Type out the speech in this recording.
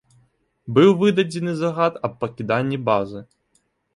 Быў выдадзены загад аб пакіданні базы.